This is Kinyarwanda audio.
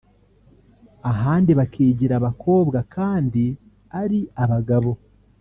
ahandi bakigira abakobwa kandi ari abagabo